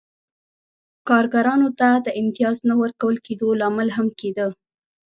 کارګرانو ته د امتیاز د نه ورکول کېدو لامل هم کېده.